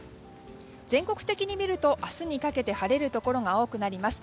全国的に見ると、明日にかけて晴れるところが多くなります。